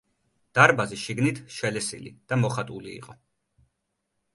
დარბაზი შიგნით შელესილი და მოხატული იყო.